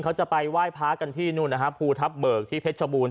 เขาจะไปไหว้พระกันที่นู่นนะฮะภูทับเบิกที่เพชรชบูรณ